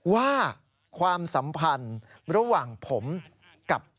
ว่าความสัมพันธ์ระหว่างผมกับ